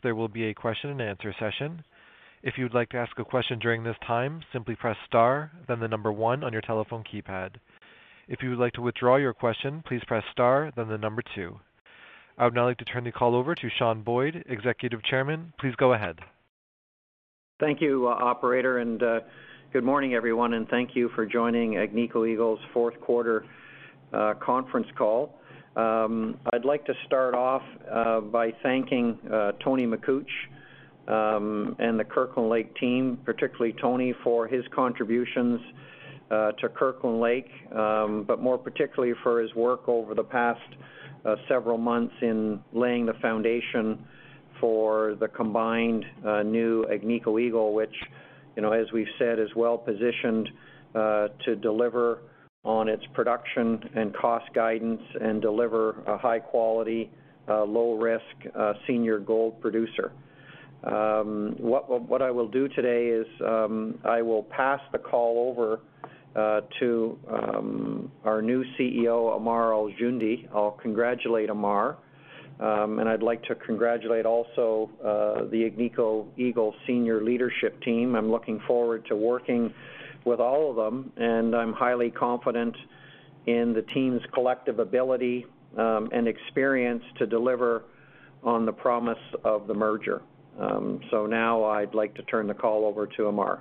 There will be a question-and-answer session. If you would like to ask a question during this time, simply press star, then one on your telephone keypad. If you would like to withdraw your question, please press star, then two. I would now like to turn the call over to Sean Boyd, Executive Chairman. Please go ahead. Thank you, operator. Good morning, everyone, and thank you for joining Agnico Eagle's Fourth Quarter Conference Call. I'd like to start off by thanking Tony Makuch and the Kirkland Lake team, particularly Tony, for his contributions to Kirkland Lake. More particularly for his work over the past several months in laying the foundation for the combined new Agnico Eagle, which, you know, as we've said, is well-positioned to deliver on its production and cost guidance and deliver a high quality low risk senior gold producer. What I will do today is I will pass the call over to our new CEO, Ammar Al-Joundi. I'll congratulate Ammar. I'd like to congratulate also the Agnico Eagle senior leadership team. I'm looking forward to working with all of them, and I'm highly confident in the team's collective ability, and experience to deliver on the promise of the merger. Now I'd like to turn the call over to Ammar.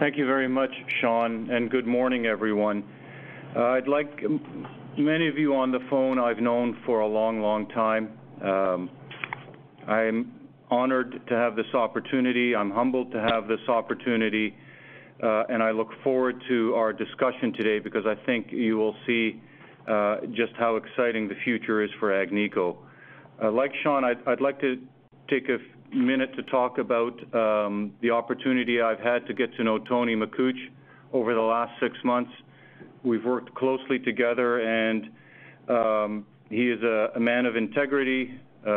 Thank you very much, Sean, and good morning, everyone. Many of you on the phone I've known for a long, long time. I'm honored to have this opportunity. I'm humbled to have this opportunity. I look forward to our discussion today because I think you will see just how exciting the future is for Agnico. Like Sean, I'd like to take a minute to talk about the opportunity I've had to get to know Tony Makuch over the last six months. We've worked closely together and he is a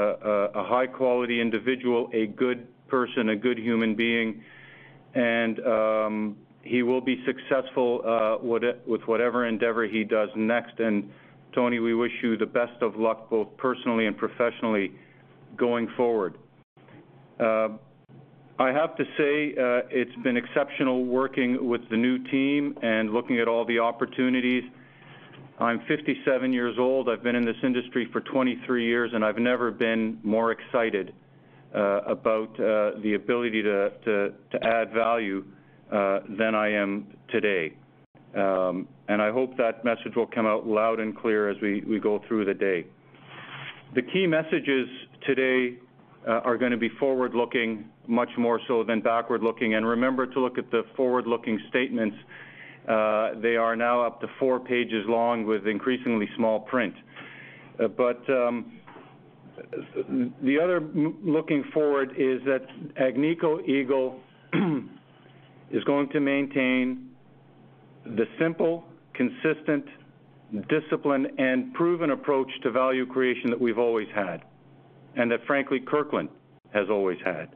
high quality individual, a good person, a good human being. He will be successful with whatever endeavor he does next. Tony, we wish you the best of luck, both personally and professionally going forward. I have to say, it's been exceptional working with the new team and looking at all the opportunities. I'm 57 years old. I've been in this industry for 23 years, and I've never been more excited about the ability to add value than I am today. I hope that message will come out loud and clear as we go through the day. The key messages today are gonna be forward-looking much more so than backward-looking. Remember to look at the forward-looking statements, they are now up to 4 pages long with increasingly small print. The other looking forward is that Agnico Eagle is going to maintain the simple, consistent, disciplined, and proven approach to value creation that we've always had and that frankly Kirkland has always had.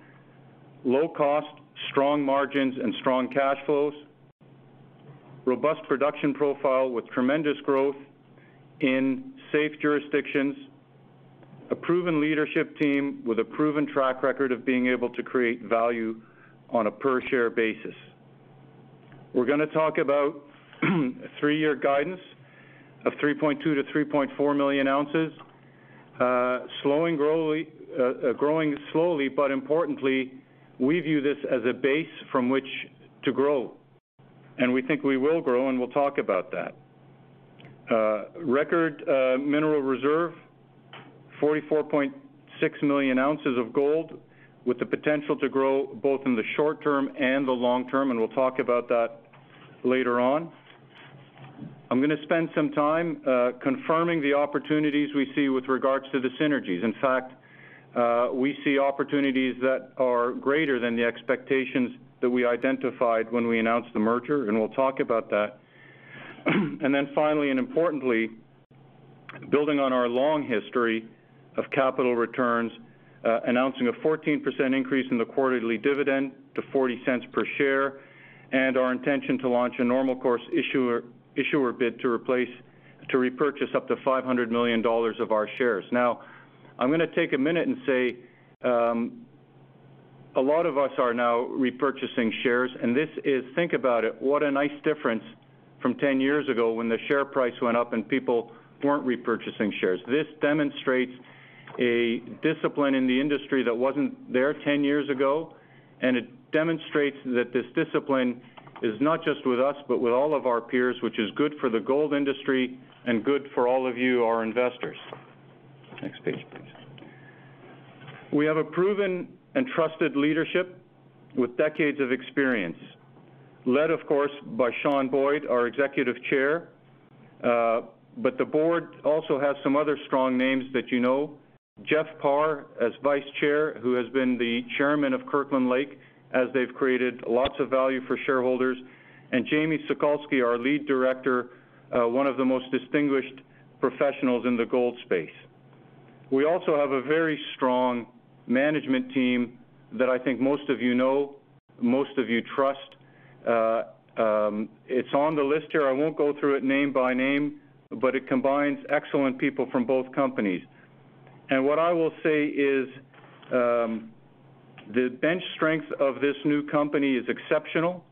Low cost, strong margins, and strong cash flows, robust production profile with tremendous growth in safe jurisdictions, a proven leadership team with a proven track record of being able to create value on a per share basis. We're gonna talk about a three-year guidance of 3.2-3.4 million ounces. Growing slowly, but importantly, we view this as a base from which to grow, and we think we will grow, and we'll talk about that. Record mineral reserve, 44.6 million ounces of gold with the potential to grow both in the short term and the long term, and we'll talk about that later on. I'm gonna spend some time confirming the opportunities we see with regards to the synergies. In fact, we see opportunities that are greater than the expectations that we identified when we announced the merger, and we'll talk about that. Then finally, and importantly, building on our long history of capital returns, announcing a 14% increase in the quarterly dividend to $0.40 per share and our intention to launch a normal course issuer bid to repurchase up to $500 million of our shares. Now, I'm gonna take a minute and say, a lot of us are now repurchasing shares, and this is. Think about it, what a nice difference from 10 years ago when the share price went up and people weren't repurchasing shares. This demonstrates a discipline in the industry that wasn't there 10 years ago, and it demonstrates that this discipline is not just with us, but with all of our peers, which is good for the gold industry and good for all of you, our investors. Next page, please. We have a proven and trusted leadership with decades of experience led, of course, by Sean Boyd, our Executive Chairman. But the board also has some other strong names that you know. Jeff Parr as Vice Chair, who has been the Chairman of Kirkland Lake as they've created lots of value for shareholders. Jamie Sokalsky, our Lead Director, one of the most distinguished professionals in the gold space. We also have a very strong management team that I think most of you know, most of you trust. It's on the list here. I won't go through it name by name, but it combines excellent people from both companies. What I will say is, the bench strength of this new company is exceptional.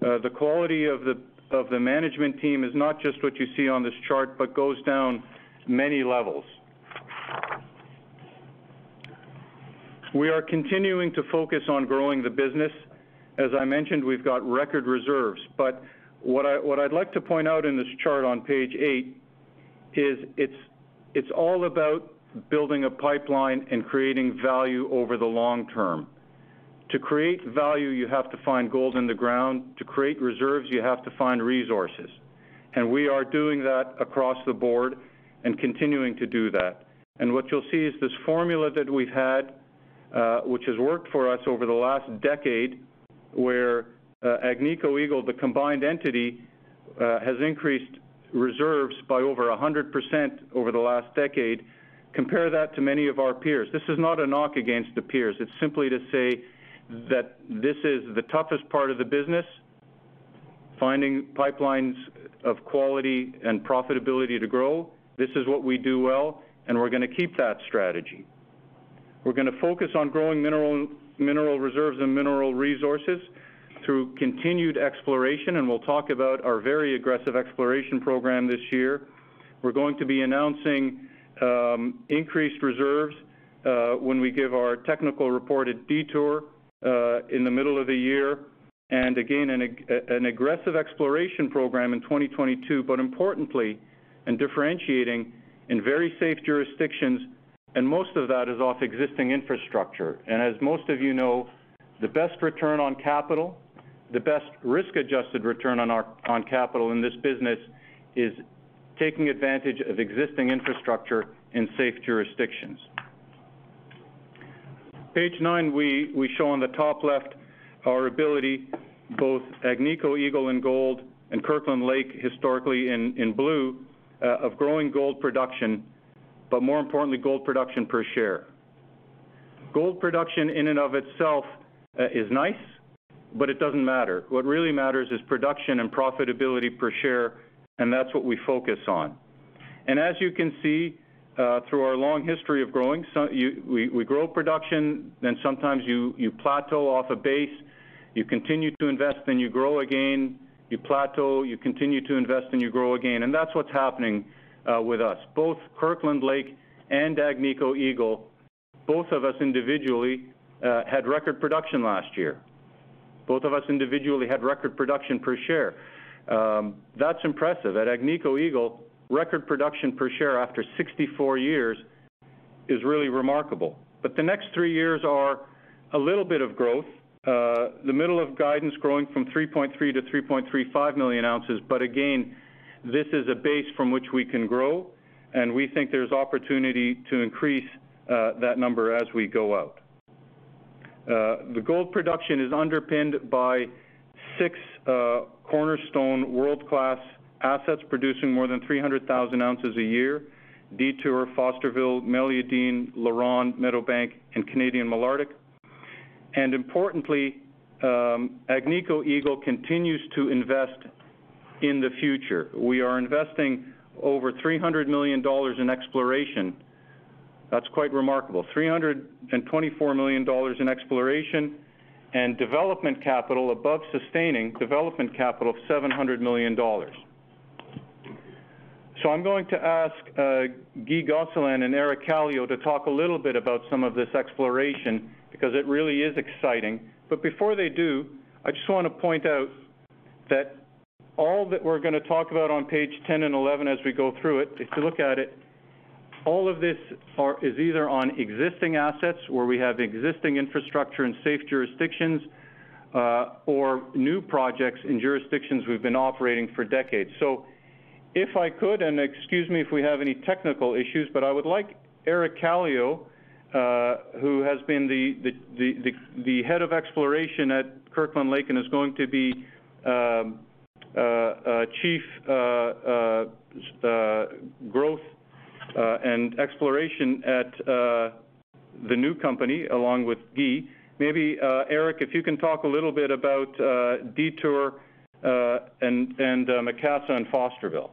The quality of the management team is not just what you see on this chart, but goes down many levels. We are continuing to focus on growing the business. As I mentioned, we've got record reserves, but what I'd like to point out in this chart on page 8 is it's all about building a pipeline and creating value over the long term. To create value, you have to find gold in the ground. To create reserves, you have to find resources. We are doing that across the board and continuing to do that. What you'll see is this formula that we've had, which has worked for us over the last decade, where Agnico Eagle, the combined entity, has increased reserves by over 100% over the last decade. Compare that to many of our peers. This is not a knock against the peers. It's simply to say that this is the toughest part of the business, finding pipelines of quality and profitability to grow. This is what we do well, and we're gonna keep that strategy. We're gonna focus on growing mineral reserves and mineral resources through continued exploration, and we'll talk about our very aggressive exploration program this year. We're going to be announcing increased reserves when we give our technical report at Detour in the middle of the year. Again, an aggressive exploration program in 2022, but importantly, and differentiating in very safe jurisdictions, and most of that is off existing infrastructure. As most of you know, the best return on capital, the best risk-adjusted return on capital in this business is taking advantage of existing infrastructure in safe jurisdictions. Page nine, we show on the top left our ability, both Agnico Eagle in gold and Kirkland Lake historically in blue, of growing gold production, but more importantly, gold production per share. Gold production in and of itself is nice, but it doesn't matter. What really matters is production and profitability per share, and that's what we focus on. As you can see, through our long history of growing, we grow production, then sometimes you plateau off a base, you continue to invest, then you grow again, you plateau, you continue to invest, then you grow again. That's what's happening with us. Both Kirkland Lake and Agnico Eagle, both of us individually, had record production last year. Both of us individually had record production per share. That's impressive. At Agnico Eagle, record production per share after 64 years is really remarkable. The next 3 years are a little bit of growth. The middle of guidance growing from 0.3 to 3.35 million ounces, but again, this is a base from which we can grow, and we think there's opportunity to increase that number as we go out. The gold production is underpinned by six cornerstone world-class assets producing more than 300,000 ounces a year, Detour, Fosterville, Meliadine, LaRonde, Meadowbank, and Canadian Malartic. Importantly, Agnico Eagle continues to invest in the future. We are investing over $300 million in exploration. That's quite remarkable. $324 million in exploration and development capital above sustaining development capital of $700 million. I'm going to ask Guy Gosselin and Eric Kallio to talk a little bit about some of this exploration because it really is exciting. Before they do, I just wanna point out that all that we're gonna talk about on page 10 and 11 as we go through it, if you look at it, all of this is either on existing assets where we have existing infrastructure in safe jurisdictions, or new projects in jurisdictions we've been operating for decades. If I could, and excuse me if we have any technical issues, but I would like Eric Kallio, who has been the head of exploration at Kirkland Lake and is going to be a chief growth and exploration at the new company, along with Guy. Maybe, Eric, if you can talk a little bit about Detour and Macassa and Fosterville.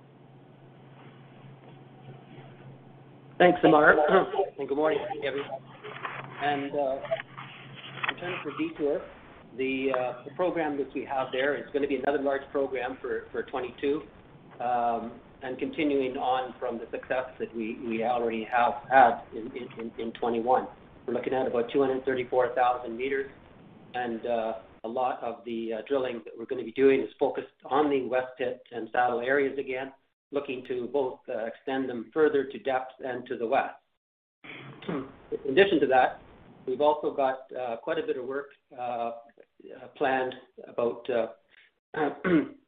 Thanks, Ammar. Good morning, everyone. In terms of Detour, the program which we have there is gonna be another large program for 2022, and continuing on from the success that we already have had in 2021. We're looking at about 234,000 meters, and a lot of the drilling that we're gonna be doing is focused on the West Pit and Saddle areas again, looking to both extend them further to depth and to the west. In addition to that, we've also got quite a bit of work planned,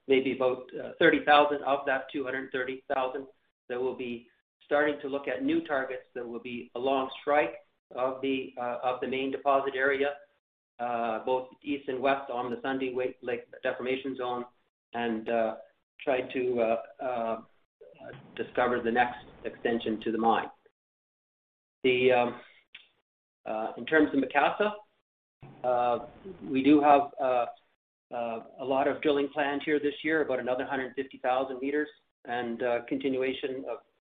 maybe about 30,000 of that 230,000 that we'll be starting to look at new targets that will be along strike of the main deposit area, both east and west on the Sunday Lake deformation zone, and try to discover the next extension to the mine. In terms of Macassa, we do have a lot of drilling plans here this year, about another 150,000 meters, and continuation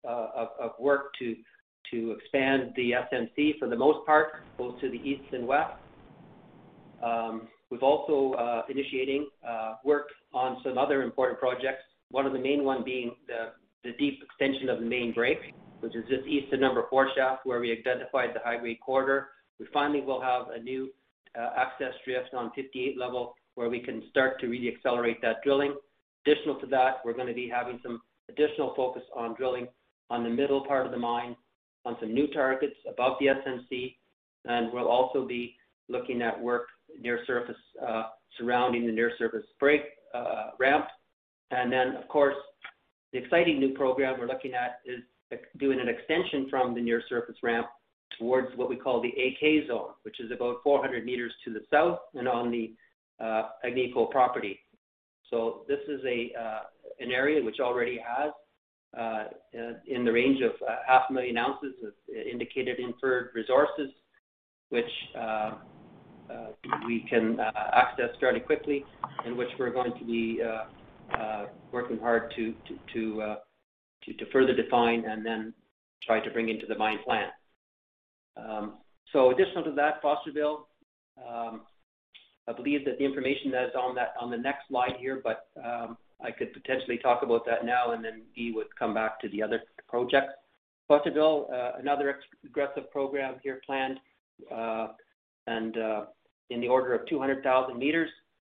of work to expand the SMC for the most part, both to the east and west. We've also initiating work on some other important projects. One of the main one being the deep extension of the Main Break, which is just east of No. 4 Shaft, where we identified the high-grade corridor. We finally will have a new access drift on 5800 Level, where we can start to really accelerate that drilling. Additional to that, we're gonna be having some additional focus on drilling on the middle part of the mine, on some new targets above the SMC, and we'll also be looking at work near surface surrounding the near surface break ramp. Then, of course, the exciting new program we're looking at is doing an extension from the near surface ramp towards what we call the AK Zone, which is about 400 meters to the south and on the Agnico property. This is an area which already has in the range of half a million ounces of indicated inferred resources, which we can access fairly quickly, and which we're going to be working hard to further define and then try to bring into the mine plan. Additional to that, Fosterville, I believe that the information that is on that, on the next slide here, but I could potentially talk about that now, and then Guy would come back to the other projects. Fosterville, another aggressive program here planned, and in the order of 200,000 meters.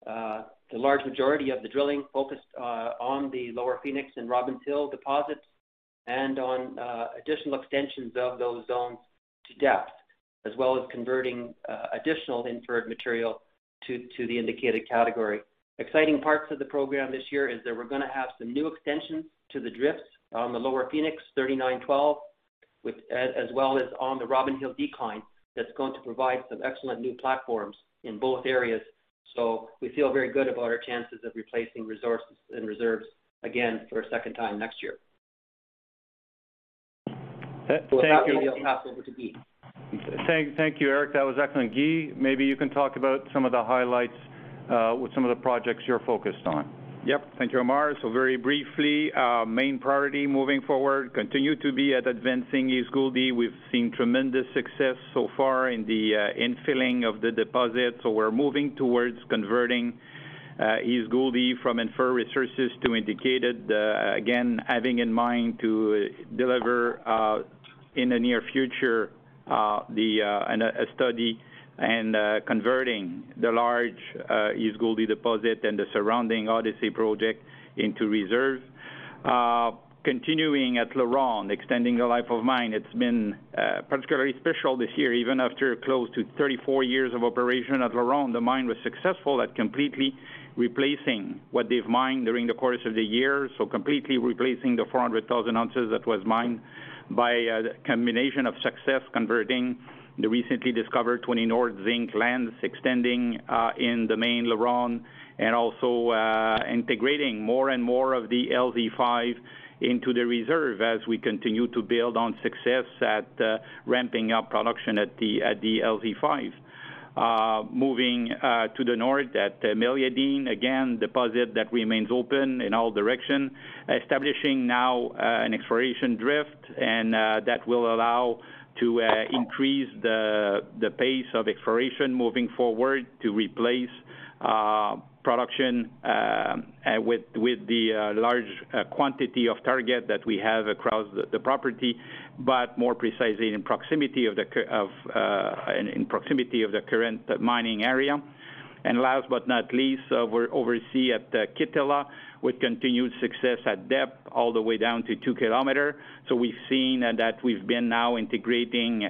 The large majority of the drilling focused on the Lower Phoenix and Robbins Hill deposits, and on additional extensions of those zones to depth, as well as converting additional inferred material to the indicated category. Exciting parts of the program this year is that we're gonna have some new extensions to the drifts on the Lower Phoenix, 3912, as well as on the Robbins Hill Decline, that's going to provide some excellent new platforms in both areas. We feel very good about our chances of replacing resources and reserves again for a second time next year. Thank you. With that, maybe I'll pass over to Guy. Thank you, Eric. That was excellent. Guy, maybe you can talk about some of the highlights with some of the projects you're focused on. Yep. Thank you, Ammar. Very briefly, our main priority moving forward continue to be at advancing East Gouldie. We've seen tremendous success so far in the infilling of the deposit, so we're moving towards converting East Gouldie from inferred resources to indicated. Again, having in mind to deliver in the near future a study and converting the large East Gouldie deposit and the surrounding Odyssey project into reserve. Continuing at LaRonde, extending the life of mine, it's been particularly special this year. Even after close to 34 years of operation at LaRonde, the mine was successful at completely replacing what they've mined during the course of the year. Completely replacing the 400,000 ounces that was mined by a combination of success, converting the recently discovered 20 North zinc lens extending in the main LaRonde, and also integrating more and more of the LZ5 into the reserve as we continue to build on success at ramping up production at the LZ5. Moving to the north at Meliadine, again, deposit that remains open in all directions. Establishing now an exploration drift and that will allow to increase the pace of exploration moving forward to replace production with the large quantity of target that we have across the property, but more precisely in proximity of the current mining area. Last but not least, we're overseeing at Kittilä, with continued success at depth all the way down to 2 kms. We've seen that we've been now integrating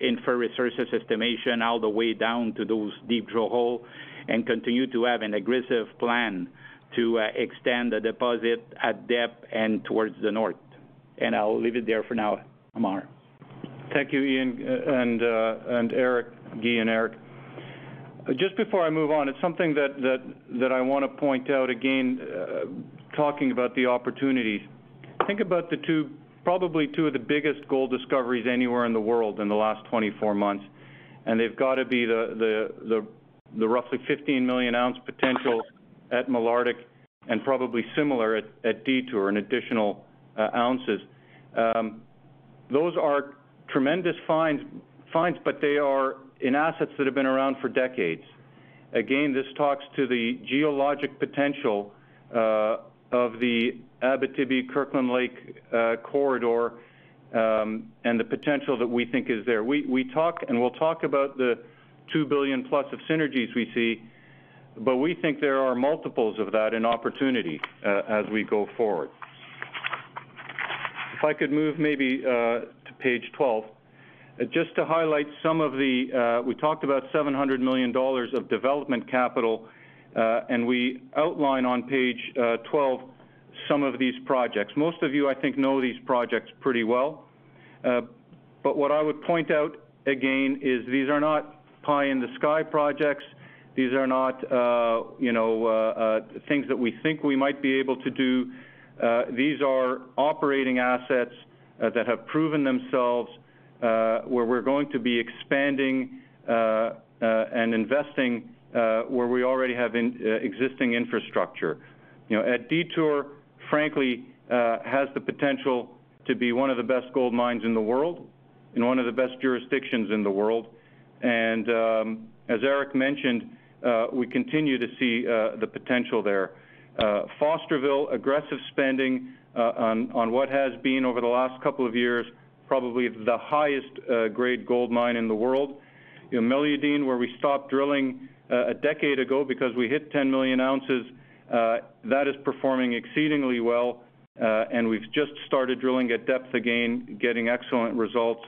inferred resources estimation all the way down to those deep drill hole and continue to have an aggressive plan to extend the deposit at depth and towards the north. I'll leave it there for now, Ammar. Thank you, Sean, and Eric, Guy and Eric. Just before I move on, it's something that I want to point out again, talking about the opportunities. Think about the two, probably two of the biggest gold discoveries anywhere in the world in the last 24 months, and they've got to be the roughly 15 million ounce potential at Malartic and probably similar at Detour in additional ounces. Those are tremendous finds, but they are in assets that have been around for decades. Again, this talks to the geologic potential of the Abitibi-Kirkland Lake corridor, and the potential that we think is there. We talk and we'll talk about the $2 billion plus of synergies we see, but we think there are multiples of that in opportunity, as we go forward. If I could move maybe to page 12, just to highlight some of the, we talked about $700 million of development capital, and we outline on page 12 some of these projects. Most of you, I think, know these projects pretty well. But what I would point out again is these are not pie in the sky projects. These are not, you know, things that we think we might be able to do. These are operating assets that have proven themselves, where we're going to be expanding and investing, where we already have existing infrastructure. You know, at Detour, frankly, has the potential to be one of the best gold mines in the world, in one of the best jurisdictions in the world. As Eric mentioned, we continue to see the potential there. Fosterville, aggressive spending on what has been over the last couple of years, probably the highest grade gold mine in the world. You know, Malartic, where we stopped drilling a decade ago because we hit 10 million ounces, that is performing exceedingly well, and we've just started drilling at depth again, getting excellent results.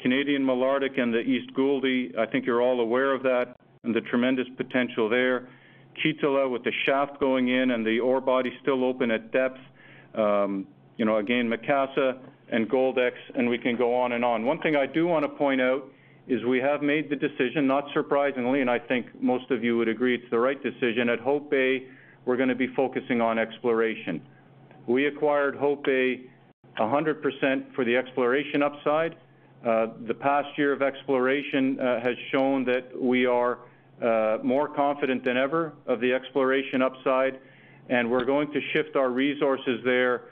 Canadian Malartic and the East Gouldie, I think you're all aware of that and the tremendous potential there. Kittilä, with the shaft going in and the ore body still open at depth. You know, again, Macassa and Goldex, and we can go on and on. One thing I do want to point out is we have made the decision, not surprisingly, and I think most of you would agree it's the right decision, at Hope Bay, we're gonna be focusing on exploration. We acquired Hope Bay 100% for the exploration upside. The past year of exploration has shown that we are more confident than ever of the exploration upside, and we're going to shift our resources there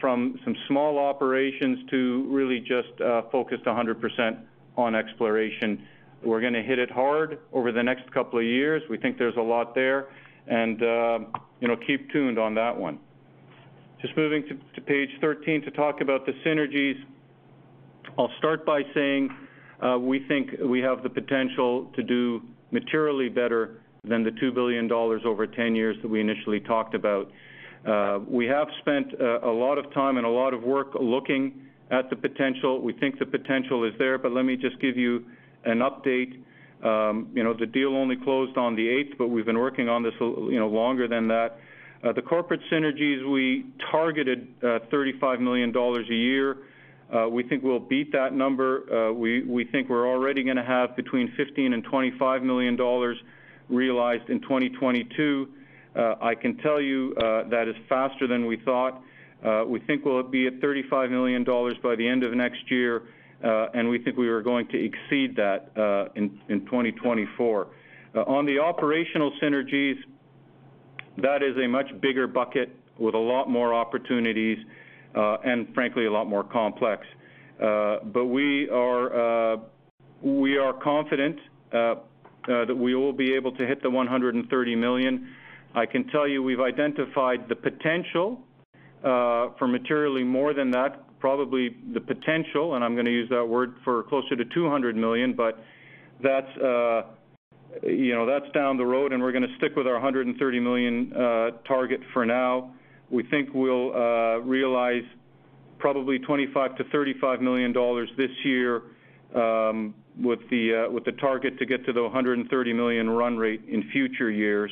from some small operations to really just focused 100% on exploration. We're gonna hit it hard over the next couple of years. We think there's a lot there and, you know, keep tuned on that one. Just moving to page 13 to talk about the synergies. I'll start by saying we think we have the potential to do materially better than the $2 billion over 10 years that we initially talked about. We have spent a lot of time and a lot of work looking at the potential. We think the potential is there, but let me just give you an update. You know, the deal only closed on the eighth, but we've been working on this you know, longer than that. The corporate synergies we targeted $35 million a year. We think we're already gonna have between $15 million and $25 million realized in 2022. I can tell you that is faster than we thought. We think we'll be at $35 million by the end of next year, and we think we are going to exceed that in 2024. On the operational synergies, that is a much bigger bucket with a lot more opportunities, and frankly, a lot more complex. We are confident that we will be able to hit the $130 million. I can tell you, we've identified the potential for materially more than that, probably the potential, and I'm gonna use that word for closer to $200 million, but that's, you know, that's down the road and we're gonna stick with our $130 million target for now. We think we'll realize probably $25 million-$35 million this year, with the target to get to the $130 million run rate in future years.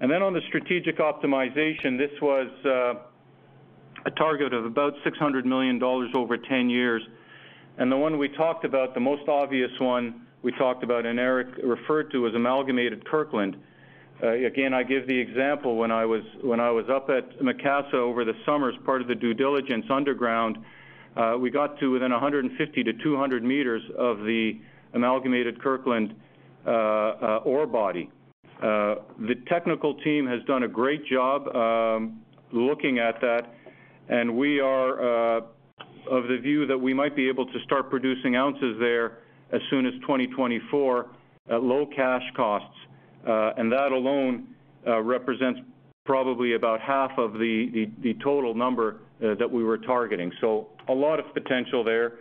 Then on the strategic optimization, this was a target of about $600 million over 10 years. The one we talked about, the most obvious one we talked about and Eric referred to as Amalgamated Kirkland. Again, I give the example when I was up at Macassa over the summer as part of the due diligence underground, we got to within 150-200 meters of the Amalgamated Kirkland ore body. The technical team has done a great job looking at that, and we are of the view that we might be able to start producing ounces there as soon as 2024 at low cash costs. That alone represents probably about half of the total number that we were targeting. A lot of potential there.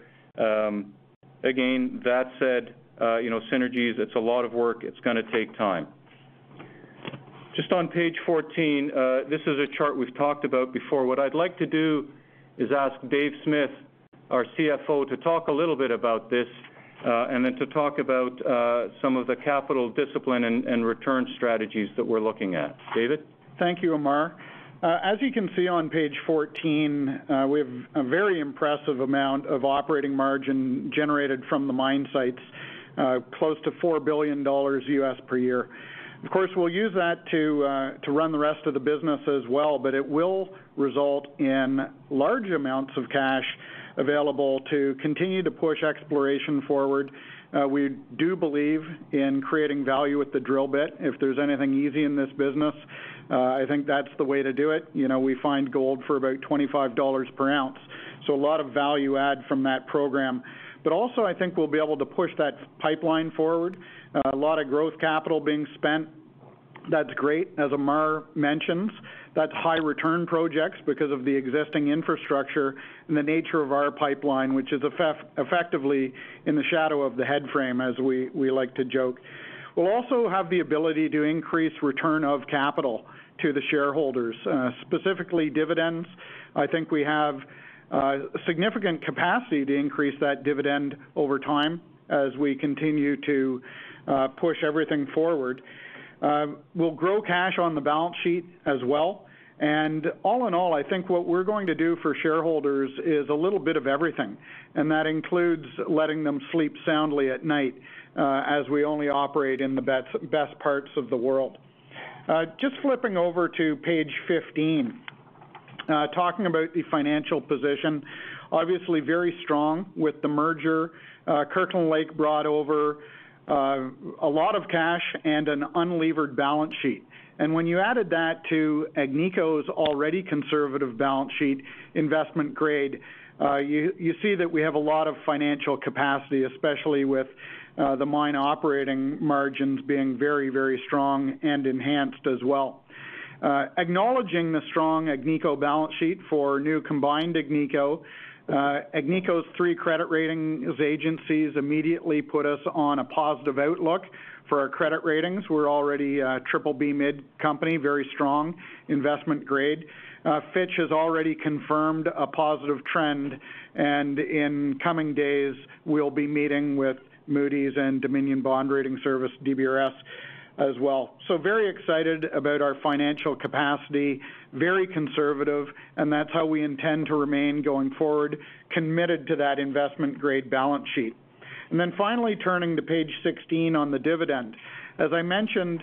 Again, that said, you know, synergies, it's a lot of work. It's gonna take time. Just on page 14, this is a chart we've talked about before. What I'd like to do is ask Dave Smith, our CFO, to talk a little bit about this, and then to talk about some of the capital discipline and return strategies that we're looking at. David? Thank you, Ammar. As you can see on page 14, we have a very impressive amount of operating margin generated from the mine sites, close to $4 billion per year. Of course, we'll use that to run the rest of the business as well, but it will result in large amounts of cash available to continue to push exploration forward. We do believe in creating value with the drill bit. If there's anything easy in this business, I think that's the way to do it. You know, we find gold for about $25 per ounce, so a lot of value add from that program. Also, I think we'll be able to push that pipeline forward. A lot of growth capital being spent. That's great. As Ammar mentions, that's high return projects because of the existing infrastructure and the nature of our pipeline, which is effectively in the shadow of the headframe, as we like to joke. We'll also have the ability to increase return of capital to the shareholders, specifically dividends. I think we have significant capacity to increase that dividend over time as we continue to push everything forward. We'll grow cash on the balance sheet as well. All in all, I think what we're going to do for shareholders is a little bit of everything, and that includes letting them sleep soundly at night, as we only operate in the best parts of the world. Just flipping over to page 15. Talking about the financial position, obviously very strong with the merger. Kirkland Lake brought over a lot of cash and an unlevered balance sheet. When you added that to Agnico's already conservative balance sheet, investment grade, you see that we have a lot of financial capacity, especially with the mine operating margins being very strong and enhanced as well. Acknowledging the strong Agnico balance sheet for new combined Agnico's three credit ratings agencies immediately put us on a positive outlook for our credit ratings. We're already a BBB mid company, very strong investment grade. Fitch has already confirmed a positive trend, and in coming days, we'll be meeting with Moody's and Dominion Bond Rating Service, DBRS, as well. Very excited about our financial capacity, very conservative, and that's how we intend to remain going forward, committed to that investment grade balance sheet. Finally, turning to page 16 on the dividend. As I mentioned,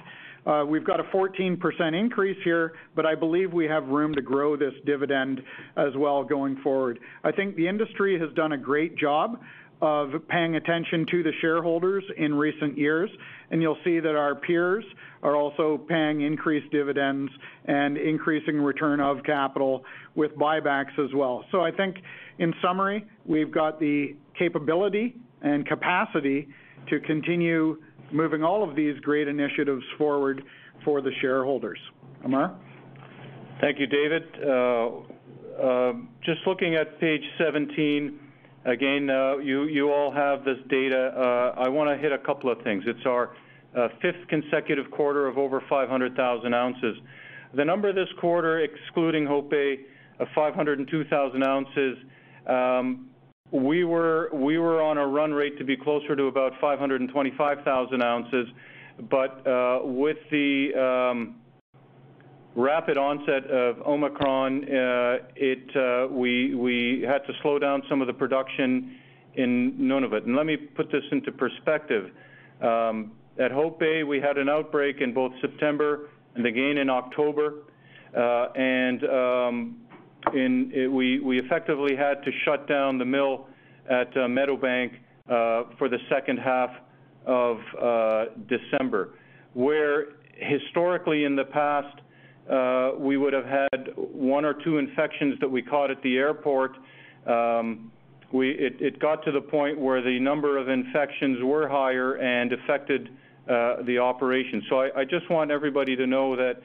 we've got a 14% increase here, but I believe we have room to grow this dividend as well going forward. I think the industry has done a great job of paying attention to the shareholders in recent years, and you'll see that our peers are also paying increased dividends and increasing return of capital with buybacks as well. I think in summary, we've got the capability and capacity to continue moving all of these great initiatives forward for the shareholders. Ammar? Thank you, Dave. Just looking at page 17. Again, you all have this data. I wanna hit a couple of things. It's our fifth consecutive quarter of over 500,000 ounces. The number this quarter, excluding Hope Bay, of 502,000 ounces, we were on a run rate to be closer to about 525,000 ounces. But with the rapid onset of Omicron, we had to slow down some of the production in Nunavut. Let me put this into perspective. At Hope Bay, we had an outbreak in both September and again in October. We effectively had to shut down the mill at Meadowbank for the second half of December. Where historically in the past, we would have had one or two infections that we caught at the airport, it got to the point where the number of infections were higher and affected the operation. I just want everybody to know that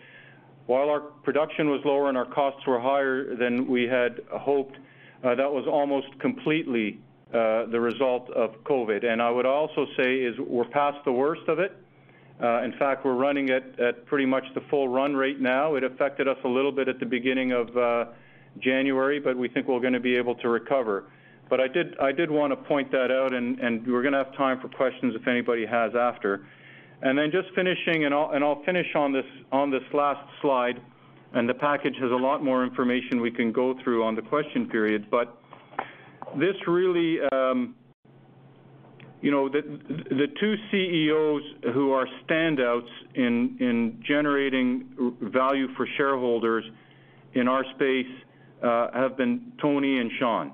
while our production was lower and our costs were higher than we had hoped, that was almost completely the result of COVID. I would also say is we're past the worst of it. In fact, we're running at pretty much the full run rate now. It affected us a little bit at the beginning of January, but we think we're gonna be able to recover. I did wanna point that out, and we're gonna have time for questions if anybody has after. Then just finishing, I'll finish on this last slide, and the package has a lot more information we can go through on the question period. This really, the two CEOs who are standouts in generating value for shareholders in our space have been Tony and Sean.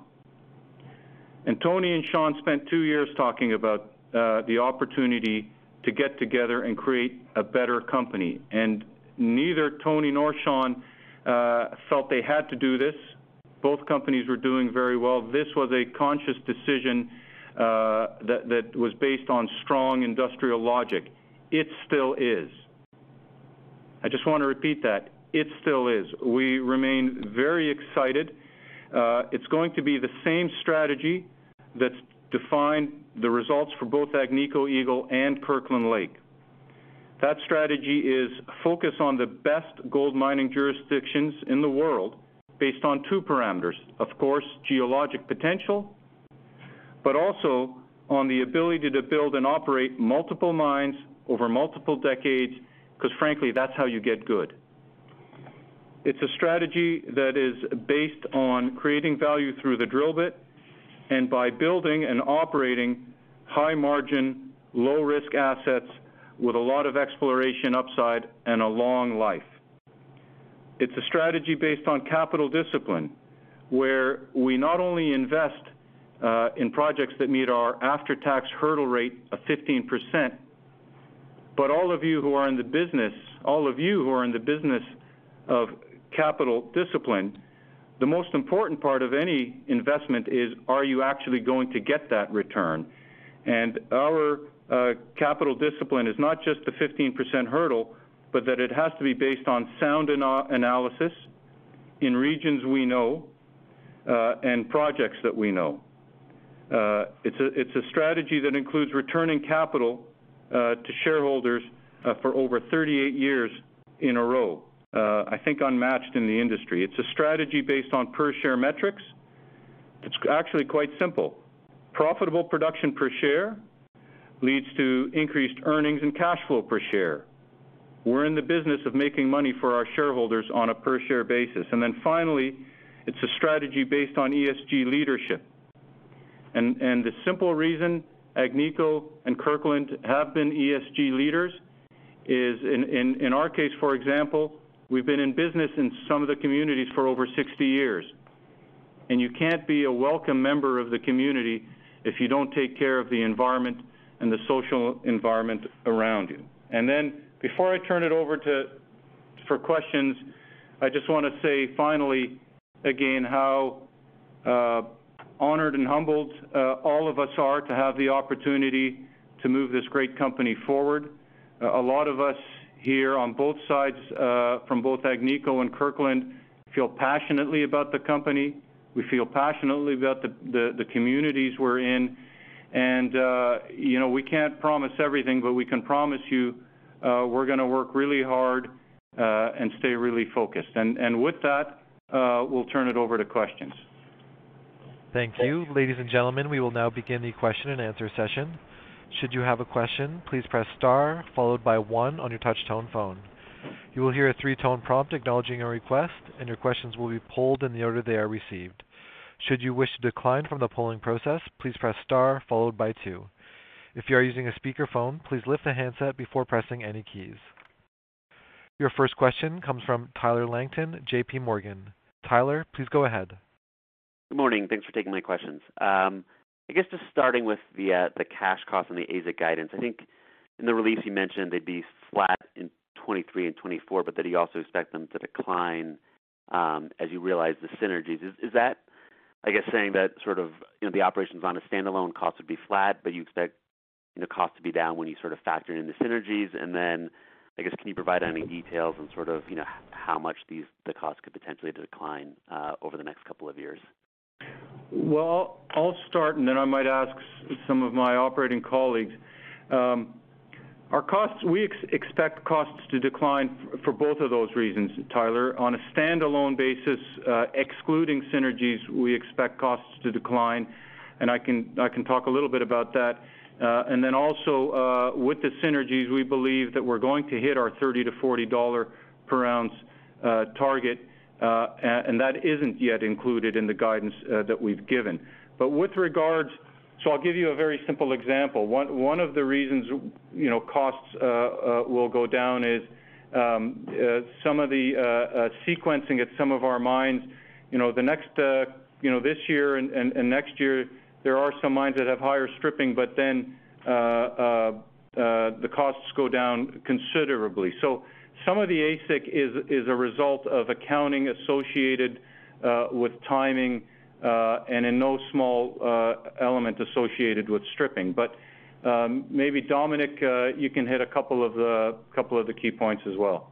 Tony and Sean spent two years talking about the opportunity to get together and create a better company. Neither Tony nor Sean felt they had to do this. Both companies were doing very well. This was a conscious decision that was based on strong industrial logic. It still is. I just want to repeat that. It still is. We remain very excited. It's going to be the same strategy that's defined the results for both Agnico Eagle and Kirkland Lake. That strategy is focus on the best gold mining jurisdictions in the world based on two parameters, of course, geologic potential, but also on the ability to build and operate multiple mines over multiple decades, because frankly, that's how you get good. It's a strategy that is based on creating value through the drill bit and by building and operating high margin, low risk assets with a lot of exploration upside and a long life. It's a strategy based on capital discipline, where we not only invest in projects that meet our after-tax hurdle rate of 15%, but all of you who are in the business of capital discipline, the most important part of any investment is, are you actually going to get that return? Our capital discipline is not just the 15% hurdle, but that it has to be based on sound analysis in regions we know and projects that we know. It's a strategy that includes returning capital to shareholders for over 38 years in a row, I think unmatched in the industry. It's a strategy based on per share metrics. It's actually quite simple. Profitable production per share leads to increased earnings and cash flow per share. We're in the business of making money for our shareholders on a per share basis. Finally, it's a strategy based on ESG leadership. The simple reason Agnico and Kirkland have been ESG leaders is in our case, for example, we've been in business in some of the communities for over 60 years. You can't be a welcome member of the community if you don't take care of the environment and the social environment around you. Before I turn it over for questions, I just wanna say finally again, how honored and humbled all of us are to have the opportunity to move this great company forward. A lot of us here on both sides from both Agnico and Kirkland feel passionately about the company. We feel passionately about the communities we're in. You know, we can't promise everything, but we can promise you, we're gonna work really hard and stay really focused. With that, we'll turn it over to questions. Thank you. Ladies and gentlemen, we will now begin the question and answer session. Should you have a question, please press star followed by one on your touch tone phone. You will hear a three-tone prompt acknowledging your request, and your questions will be polled in the order they are received. Should you wish to decline from the polling process, please press star followed by two. If you are using a speakerphone, please lift the handset before pressing any keys. Your first question comes from Tyler Langton, JPMorgan. Tyler, please go ahead. Good morning. Thanks for taking my questions. I guess just starting with the cash cost and the AISC guidance. I think in the release you mentioned they'd be flat in 2023 and 2024, but that you also expect them to decline as you realize the synergies. Is that I guess saying that sort of, you know, the operations on a standalone cost would be flat, but you expect, you know, cost to be down when you sort of factor in the synergies? And then I guess, can you provide any details on sort of, you know, how much the cost could potentially decline over the next couple of years? Well, I'll start and then I might ask some of my operating colleagues. Our costs, we expect costs to decline for both of those reasons, Tyler. On a standalone basis, excluding synergies, we expect costs to decline, and I can talk a little bit about that. Then also, with the synergies, we believe that we're going to hit our $30-$40 per ounce target. That isn't yet included in the guidance that we've given. With regards, I'll give you a very simple example. One of the reasons, you know, costs will go down is some of the sequencing at some of our mines, you know, the next, you know, this year and next year, there are some mines that have higher stripping, but then the costs go down considerably. Some of the AISC is a result of accounting associated with timing and in no small element associated with stripping. Maybe Dominique, you can hit a couple of the key points as well.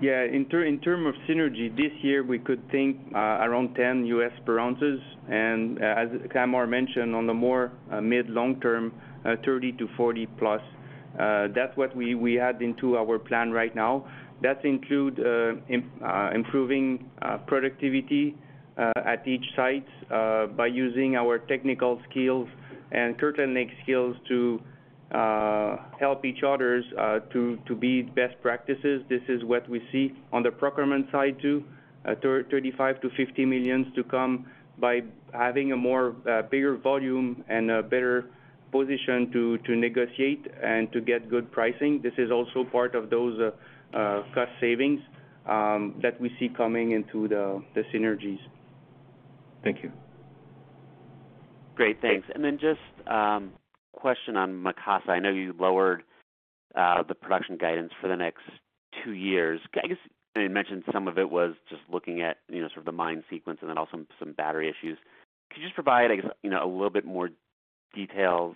Yeah. In term of synergy, this year we could think around $10 per ounce. As Ammar mentioned, on the medium- to long-term, $30-$40+. That's what we add into our plan right now. That include improving productivity at each sites by using our technical skills and Kirkland Lake skills to help each others to be best practices. This is what we see on the procurement side too, $35 million-$50 million to come by having a bigger volume and a better position to negotiate and to get good pricing. This is also part of those cost savings that we see coming into the synergies. Thank you. Great. Thanks. Just question on Macassa. I know you lowered the production guidance for the next two years. I guess, and you mentioned some of it was just looking at, you know, sort of the mine sequence and then also some battery issues. Could you just provide, I guess, you know, a little bit more details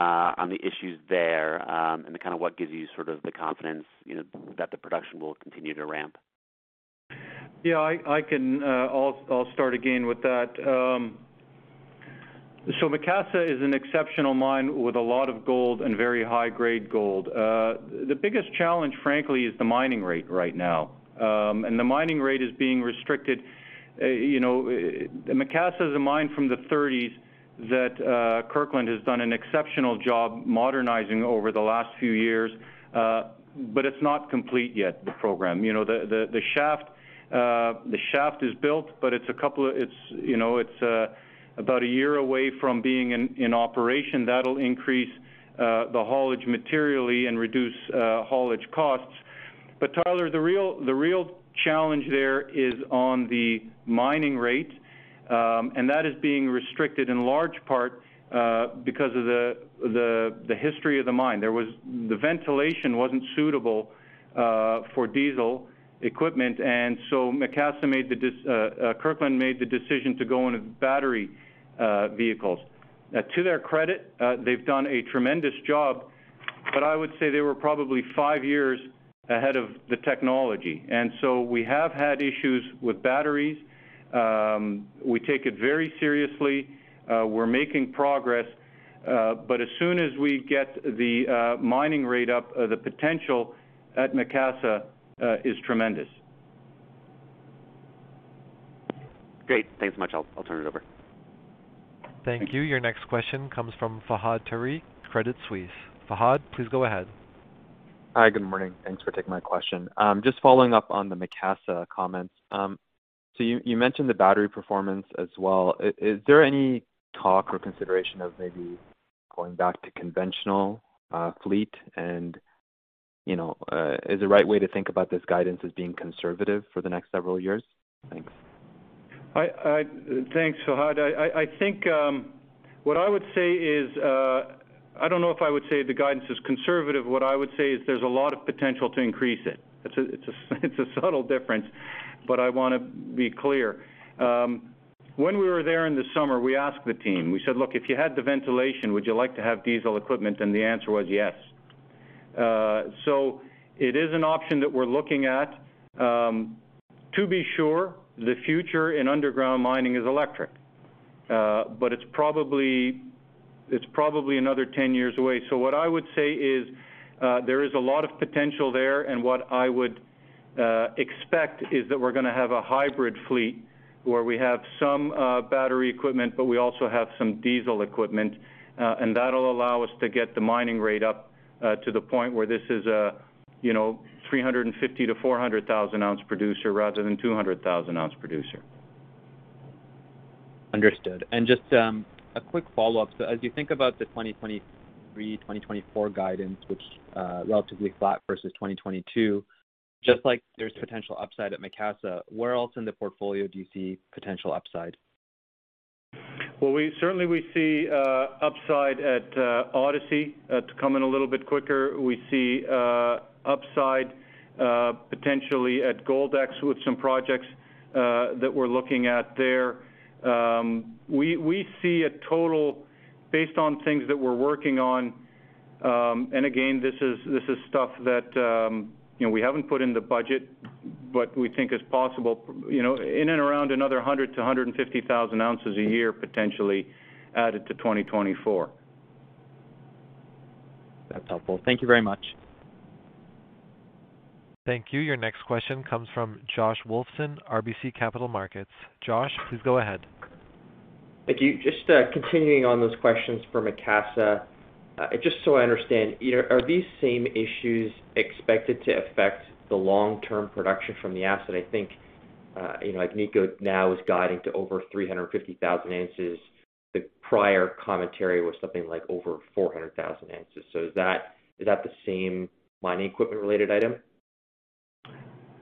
on the issues there, and the kind of what gives you sort of the confidence, you know, that the production will continue to ramp? Macassa is an exceptional mine with a lot of gold and very high grade gold. The biggest challenge, frankly, is the mining rate right now. The mining rate is being restricted, you know. Macassa is a mine from the '30s that Kirkland has done an exceptional job modernizing over the last few years, but it's not complete yet, the program. You know, the shaft is built, but it's about a year away from being in operation. That'll increase the haulage materially and reduce haulage costs. Tyler, the real challenge there is on the mining rate, and that is being restricted in large part because of the history of the mine. The ventilation wasn't suitable for diesel equipment, and so Kirkland made the decision to go into battery vehicles. To their credit, they've done a tremendous job, but I would say they were probably five years ahead of the technology. We have had issues with batteries. We take it very seriously. We're making progress. As soon as we get the mining rate up, the potential at Macassa is tremendous. Great. Thanks much. I'll turn it over. Thank you. Your next question comes from Fahad Tariq, Credit Suisse. Fahad, please go ahead. Hi. Good morning. Thanks for taking my question. Just following up on the Macassa comments. You mentioned the battery performance as well. Is there any talk or consideration of maybe going back to conventional fleet and you know is the right way to think about this guidance as being conservative for the next several years? Thanks. Thanks, Fahad. I think what I would say is I don't know if I would say the guidance is conservative. What I would say is there's a lot of potential to increase it. It's a subtle difference, but I wanna be clear. When we were there in the summer, we asked the team. We said, "Look, if you had the ventilation, would you like to have diesel equipment?" The answer was yes. So it is an option that we're looking at. To be sure, the future in underground mining is electric, but it's probably another 10 years away. What I would say is, there is a lot of potential there, and what I would expect is that we're gonna have a hybrid fleet where we have some battery equipment, but we also have some diesel equipment. That'll allow us to get the mining rate up to the point where this is a, you know, 350,000-400,000 ounce producer rather than 200,000 ounce producer. Understood. Just a quick follow-up. As you think about the 2023/2024 guidance, which relatively flat versus 2022, just like there's potential upside at Macassa, where else in the portfolio do you see potential upside? Well, we certainly see upside at Odyssey to come in a little bit quicker. We see upside potentially at Goldex with some projects that we're looking at there. We see a total based on things that we're working on, and again, this is stuff that you know, we haven't put in the budget, but we think is possible, you know, in and around another 100,000-150,000 ounces a year potentially added to 2024. That's helpful. Thank you very much. Thank you. Your next question comes from Josh Wolfson, RBC Capital Markets. Josh, please go ahead. Thank you. Just continuing on those questions for Macassa. Just so I understand, you know, are these same issues expected to affect the long-term production from the asset? I think, you know, Agnico now is guiding to over 350,000 ounces. The prior commentary was something like over 400,000 ounces. Is that the same mining equipment related item?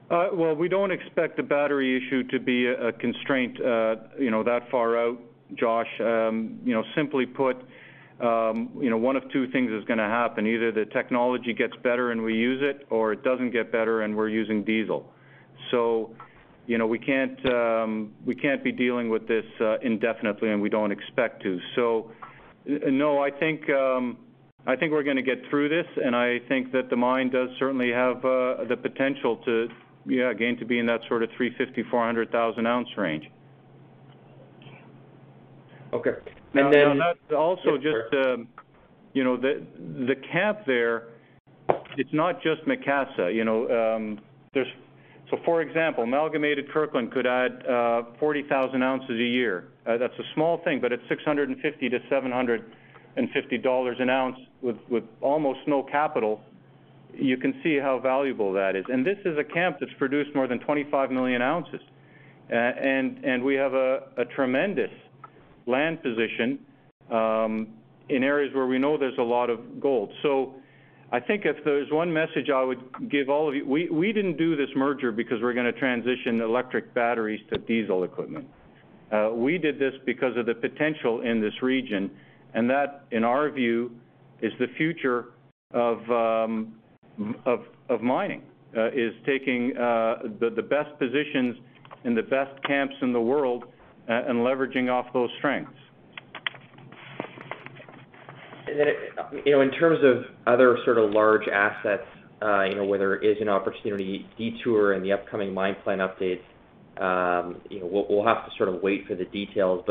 Well, we don't expect the battery issue to be a constraint, you know, that far out, Josh. You know, simply put, you know, one of two things is gonna happen, either the technology gets better and we use it, or it doesn't get better and we're using diesel. You know, we can't be dealing with this indefinitely, and we don't expect to. No, I think we're gonna get through this, and I think that the mine does certainly have the potential to, again, to be in that sort of 350,000-400,000 ounce range. Okay. That's also just you know the camp there. It's not just Macassa. You know, there's for example Amalgamated Kirkland could add 40,000 ounces a year. That's a small thing, but at $650-$750 an ounce with almost no capital, you can see how valuable that is. This is a camp that's produced more than 25 million ounces. We have a tremendous land position in areas where we know there's a lot of gold. I think if there's one message I would give all of you, we didn't do this merger because we're gonna transition electric batteries to diesel equipment. We did this because of the potential in this region, and that, in our view, is the future of mining, taking the best positions and the best camps in the world and leveraging off those strengths. You know, in terms of other sort of large assets, you know, whether it is an opportunity Detour in the upcoming mine plan updates, you know, we'll have to sort of wait for the details.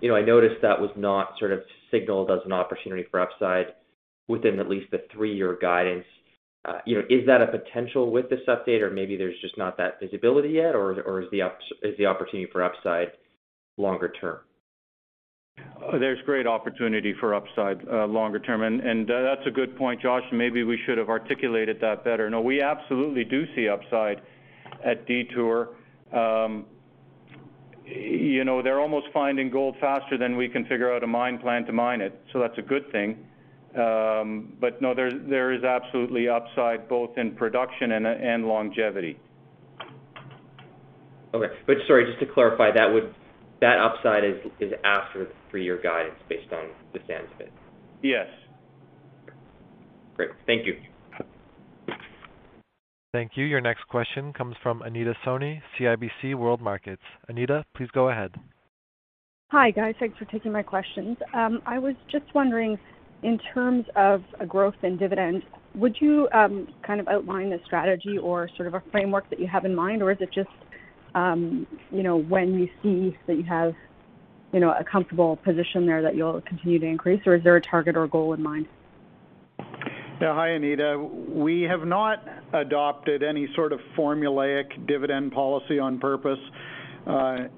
You know, I noticed that was not sort of signaled as an opportunity for upside within at least the three-year guidance. You know, is that a potential with this update, or maybe there's just not that visibility yet or is the opportunity for upside longer term? There's great opportunity for upside, longer term. That's a good point, Josh. Maybe we should have articulated that better. No, we absolutely do see upside at Detour. You know, they're almost finding gold faster than we can figure out a mine plan to mine it, so that's a good thing. No, there is absolutely upside both in production and longevity. Okay. Sorry, just to clarify, that upside is after the three-year guidance based on the standalone basis? Yes. Great. Thank you. Thank you. Your next question comes from Anita Soni, CIBC World Markets. Anita, please go ahead. Hi, guys. Thanks for taking my questions. I was just wondering in terms of a growth and dividend, would you kind of outline the strategy or sort of a framework that you have in mind? Or is it just, you know, when you see that you have you know, a comfortable position there that you'll continue to increase, or is there a target or goal in mind? Yeah. Hi, Anita. We have not adopted any sort of formulaic dividend policy on purpose,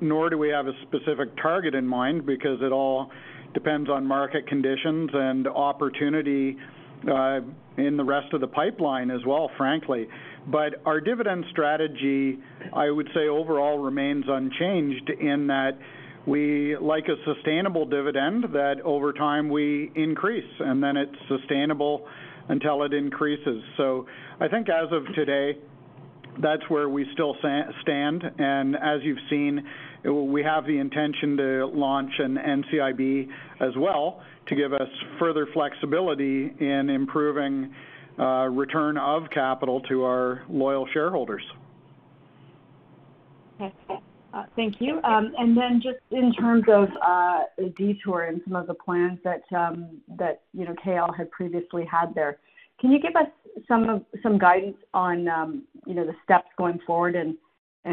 nor do we have a specific target in mind because it all depends on market conditions and opportunity, in the rest of the pipeline as well, frankly. Our dividend strategy, I would say, overall remains unchanged in that we like a sustainable dividend that over time we increase, and then it's sustainable until it increases. I think as of today, that's where we still stand. As you've seen, we have the intention to launch an NCIB as well to give us further flexibility in improving, return of capital to our loyal shareholders. Okay. Thank you. Just in terms of Detour and some of the plans that you know KL had previously had there, can you give us some guidance on you know the steps going forward and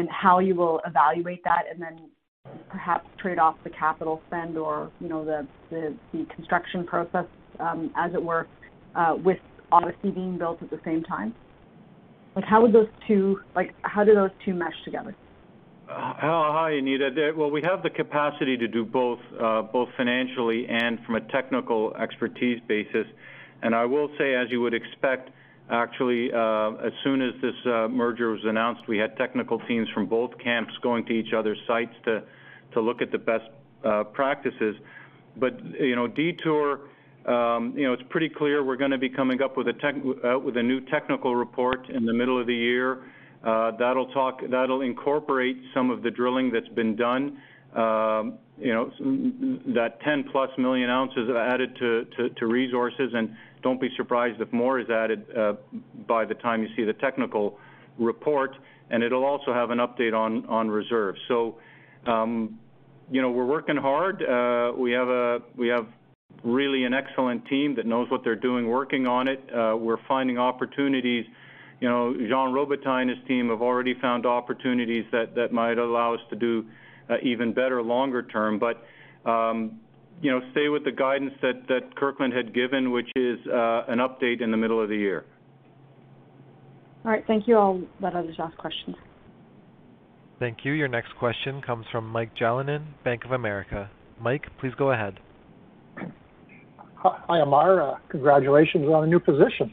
how you will evaluate that and then perhaps trade off the capital spend or you know the construction process as it were with obviously being built at the same time? Like, how would those two mesh together? Hi, Anita. Well, we have the capacity to do both financially and from a technical expertise basis. I will say, as you would expect, actually, as soon as this merger was announced, we had technical teams from both camps going to each other's sites to look at the best practices. You know, Detour, you know, it's pretty clear we're gonna be coming up with a new technical report in the middle of the year, that'll incorporate some of the drilling that's been done, you know, that 10+ million ounces added to resources. Don't be surprised if more is added by the time you see the technical report, and it'll also have an update on reserves. You know, we're working hard. We have really an excellent team that knows what they're doing working on it. We're finding opportunities. You know, Jean Robitaille and his team have already found opportunities that might allow us to do even better longer term. You know, stay with the guidance that Kirkland had given, which is an update in the middle of the year. All right. Thank you. I'll let others ask questions. Thank you. Your next question comes from Mike Jalonen, Bank of America. Mike, please go ahead. Hi, Ammar. Congratulations on the new position,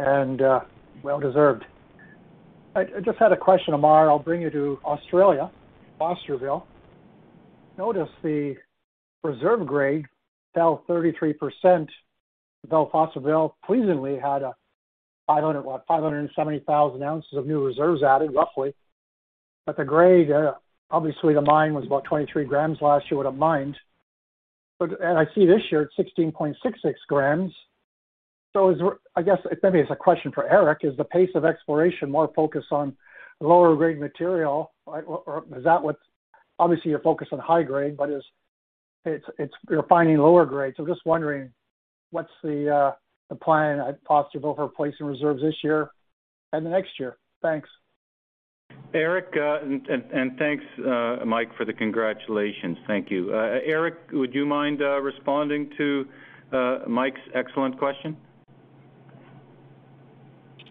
and well deserved. I just had a question, Ammar. I'll bring you to Australia, Fosterville. Noticed the reserve grade fell 33%, though Fosterville pleasingly had 570,000 ounces of new reserves added, roughly. The grade obviously the mine was about 23 grams last year at the mine. I see this year it's 16.66 grams. I guess maybe it's a question for Eric. Is the pace of exploration more focused on lower grade material? Or obviously you're focused on high grade, but it's you're finding lower grades. Just wondering what's the plan at Fosterville for replacing reserves this year and the next year? Thanks. Eric, and thanks, Mike, for the congratulations. Thank you. Eric, would you mind responding to Mike's excellent question?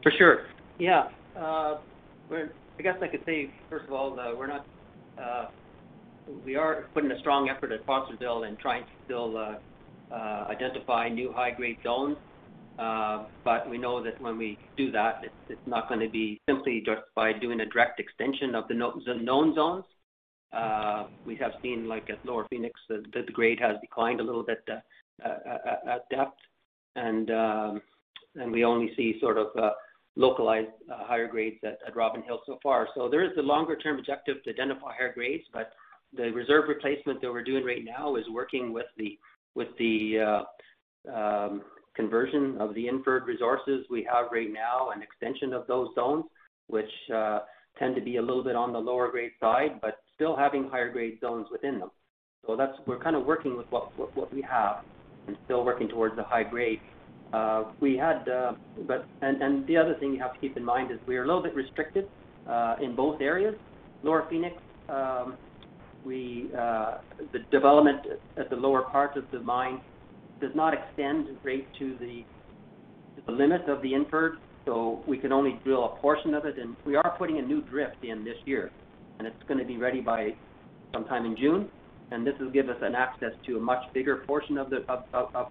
For sure. Yeah. I guess I could say, first of all, we are putting a strong effort at Fosterville and trying to still identify new high-grade zones. We know that when we do that, it's not gonna be simply just by doing a direct extension of the known zones. We have seen, like at Lower Phoenix, that the grade has declined a little bit at depth. We only see sort of localized higher grades at Robbins Hill so far. There is the longer term objective to identify higher grades, but the reserve replacement that we're doing right now is working with the conversion of the inferred resources we have right now and extension of those zones, which tend to be a little bit on the lower grade side, but still having higher grade zones within them. That's. We're kind of working with what we have and still working towards the high grade. The other thing you have to keep in mind is we are a little bit restricted in both areas. Lower Phoenix, the development at the lower parts of the mine does not extend right to the limits of the inferred, so we can only drill a portion of it. We are putting a new drift in this year, and it's gonna be ready by sometime in June. This will give us access to a much bigger portion of the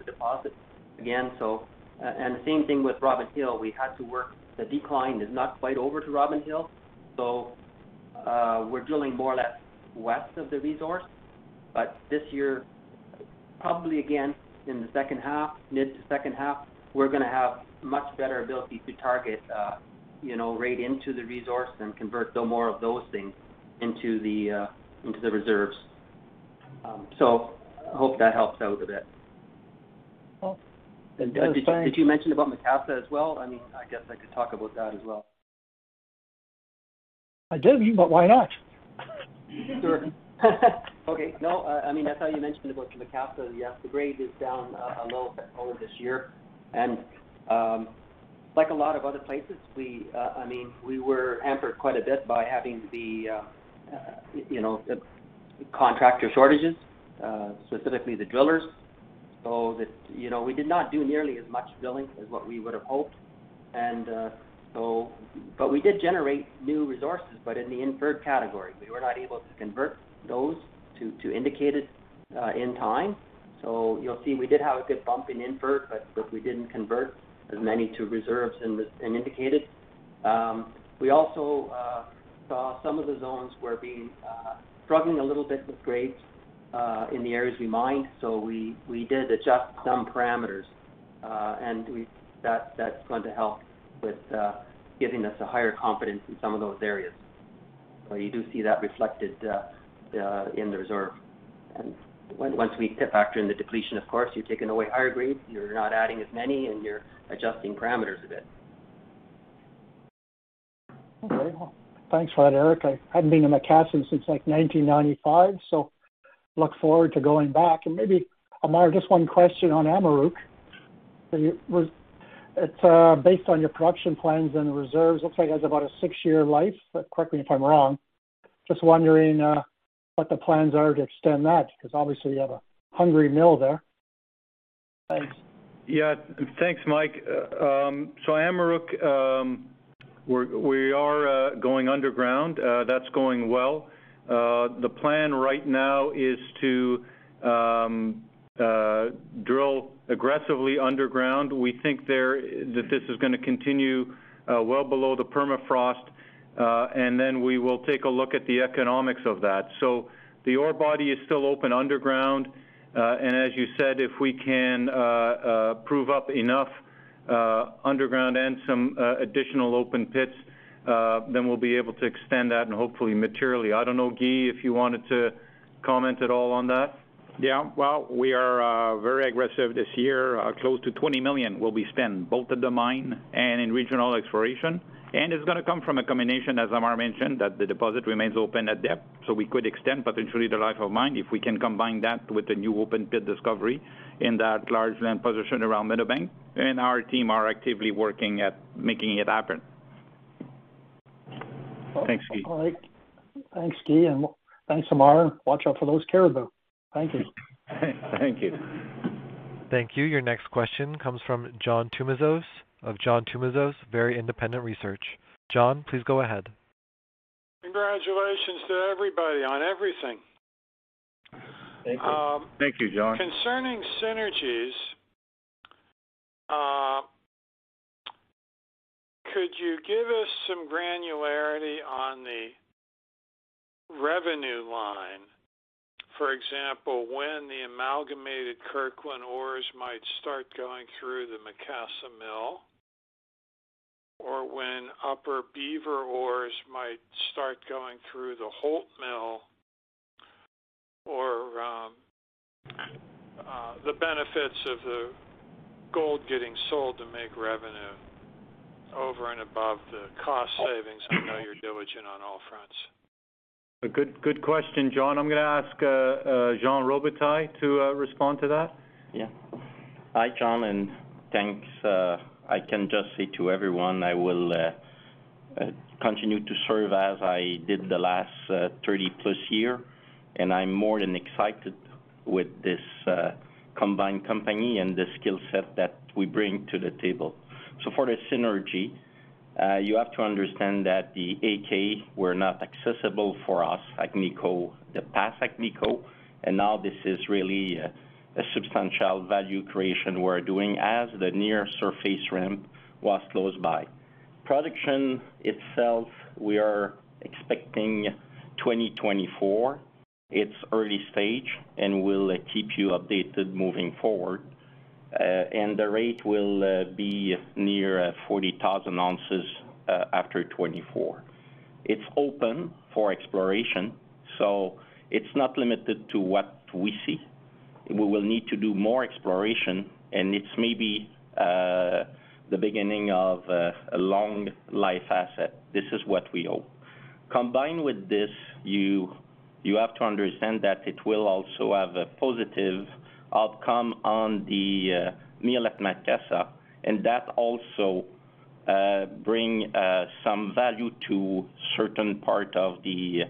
deposit again. The same thing with Robbins Hill, we had to work. The decline is not quite over to Robbins Hill, so we're drilling more or less west of the resource. This year, probably again in the second half, mid to second half, we're gonna have much better ability to target, you know, right into the resource and convert those more of those things into the reserves. So I hope that helps out a bit. Well, that was fine. Did you mention about Macassa as well? I mean, I guess I could talk about that as well. I didn't, but why not? Sure. Okay. No, I mean, I thought you mentioned about Macassa. Yes, the grade is down a little bit lower this year. Like a lot of other places, I mean, we were hampered quite a bit by having the, you know, the contractor shortages, specifically the drillers. So that, you know, we did not do nearly as much drilling as what we would have hoped and, but we did generate new resources, but in the inferred category, we were not able to convert those to indicated in time. So you'll see we did have a good bump in inferred, but we didn't convert as many to reserves in this in indicated. We also saw some of the zones were being struggling a little bit with grades in the areas we mined. We did adjust some parameters, and that's going to help with giving us a higher confidence in some of those areas. You do see that reflected in the reserve. Once we factor in the depletion, of course, you're taking away higher grades, you're not adding as many, and you're adjusting parameters a bit. Okay. Well, thanks for that, Eric. I hadn't been in Macassa since, like, 1995, so I look forward to going back. Maybe, Ammar, just one question on Amaruq. It's based on your production plans and the reserves, looks like it has about a six-year life, but correct me if I'm wrong. Just wondering what the plans are to extend that because obviously you have a hungry mill there. Thanks. Yeah. Thanks, Mike. Amaruq, we are going underground. That's going well. The plan right now is to drill aggressively underground. We think that this is gonna continue well below the permafrost, and then we will take a look at the economics of that. The ore body is still open underground, and as you said, if we can prove up enough underground and some additional open pits, then we'll be able to extend that and hopefully materially. I don't know, Guy, if you wanted to comment at all on that. Yeah. Well, we are very aggressive this year. Close to $20 million will be spent both at the mine and in regional exploration. It's gonna come from a combination, as Ammar mentioned, that the deposit remains open at depth. We could extend potentially the life of mine if we can combine that with a new open pit discovery in that large land position around Meadowbank, and our team are actively working at making it happen. Thanks, Guy. All right. Thanks, Guy. Thanks, Ammar. Watch out for those caribou. Thank you. Thank you. Thank you. Your next question comes from John Tumazos of John Tumazos Very Independent Research. John, please go ahead. Congratulations to everybody on everything. Thank you. Thank you, John. Concerning synergies, could you give us some granularity on the revenue line? For example, when the amalgamated Kirkland ores might start going through the Macassa Mill, or when Upper Beaver ores might start going through the Holt Mill, or the benefits of the gold getting sold to make revenue over and above the cost savings. I know you're diligent on all fronts. A good question, John. I'm gonna ask Jean Robitaille to respond to that. Yeah. Hi, John, and thanks. I can just say to everyone, I will continue to serve as I did the last 30-plus years, and I'm more than excited with this combined company and the skill set that we bring to the table. For the synergy, you have to understand that the Macassa were not accessible for us, Agnico, the past Agnico, and now this is really a substantial value creation we're doing as the near-surface mine was close by. Production itself, we are expecting 2024. It's early stage, and we'll keep you updated moving forward. The rate will be near 40,000 ounces after 2024. It's open for exploration, so it's not limited to what we see. We will need to do more exploration, and it's maybe the beginning of a long life asset. This is what we hope. Combined with this, you have to understand that it will also have a positive outcome on the mill at Macassa, and that also bring some value to certain part of the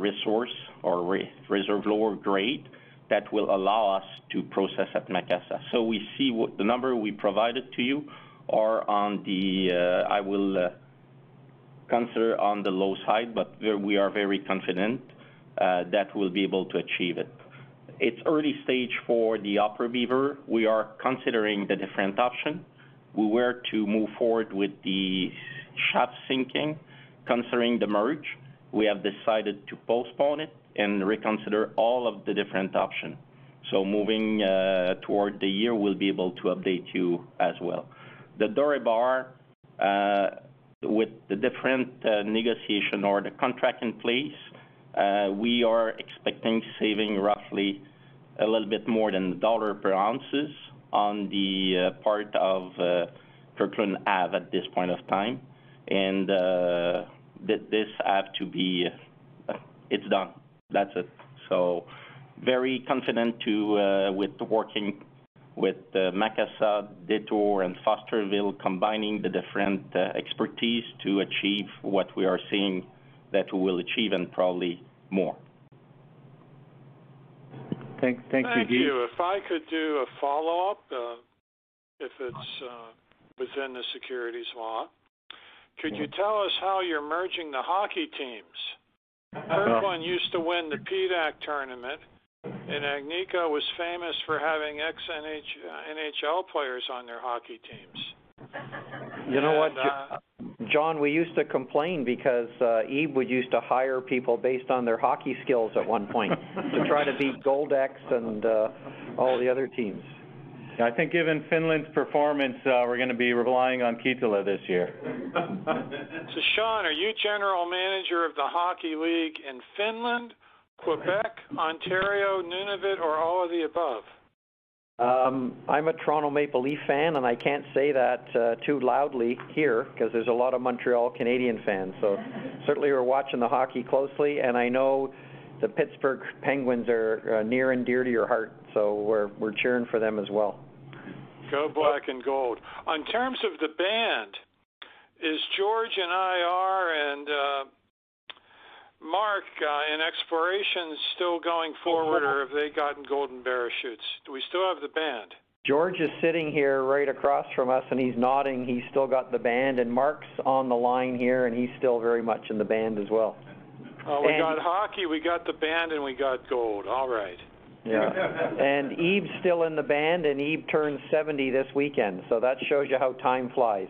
resource or reserve lower grade that will allow us to process at Macassa. We see the number we provided to you are on what I'll consider the low side, but we are very confident that we'll be able to achieve it. It's early stage for the Upper Beaver. We are considering the different option. We were to move forward with the shaft sinking. Considering the merger, we have decided to postpone it and reconsider all of the different option. Moving toward the year, we'll be able to update you as well. The doré bar, with the different negotiation or the contract in place, we are expecting saving roughly a little bit more than $1 per ounce on the part of Kirkland Lake at this point of time. This have to be- It's done. That's it. Very confident to, with working with Macassa, Detour and Fosterville, combining the different expertise to achieve what we are seeing that we will achieve and probably more. Thank you, Yves. Thank you. If I could do a follow-up, if it's within the securities law. Yeah. Could you tell us how you're merging the hockey teams? Eric, we used to win the PDAC tournament, and Agnico was famous for having ex-NHL players on their hockey teams. You know what, John, we used to complain because Yves used to hire people based on their hockey skills at one point to try to beat Goldex and all the other teams. I think given Finland's performance, we're gonna be relying on Ketola this year. Sean, are you general manager of the hockey league in Finland, Quebec, Ontario, Nunavut, or all of the above? I'm a Toronto Maple Leafs fan, and I can't say that too loudly here 'cause there's a lot of Montreal Canadiens fans. Certainly we're watching the hockey closely, and I know the Pittsburgh Penguins are near and dear to your heart, so we're cheering for them as well. Go black and gold. In terms of the ban, is George in IR and Mark in Exploration still going forward? Or have they gotten golden parachutes? Do we still have the band? George is sitting here right across from us and he's nodding, he's still got the band, and Mark's on the line here, and he's still very much in the band as well. Oh, we got hockey, we got the band, and we got gold. All right. Yeah. Yves's still in the band, and Yves turns 70 this weekend. That shows you how time flies.